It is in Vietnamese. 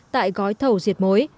tại gói thầu diệt mối